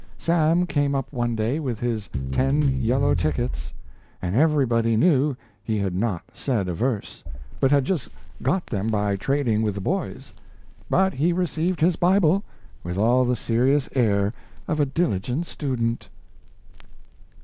Sam came up one day with his ten yellow tickets, and everybody knew he had not said a verse, but had just got them by trading with the boys. But he received his Bible with all the serious air of a diligent student!"